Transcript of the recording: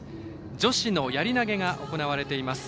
女子のやり投げが行われています。